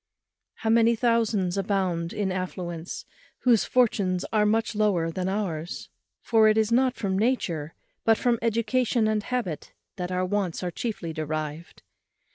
How many thousands abound in affluence whose fortunes are much lower than ours! for it is not from nature, but from education and habit, that our wants are chiefly derived.